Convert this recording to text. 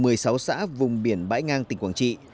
tại một mươi sáu xã vùng biển bãi ngang tỉnh quảng trị